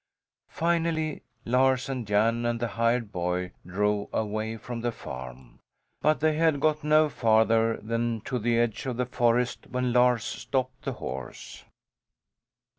Finally Lars and Jan and the hired boy drove away from the farm. But they had got no farther than to the edge of the forest, when Lars stopped the horse.